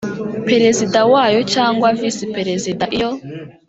Perezida wayo cyangwa visi perezida iyo